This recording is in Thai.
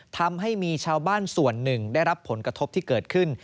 ทำให้มีชาวบ้านส่วนหนึ่งได้รับผลกระทบที่เกิดขึ้น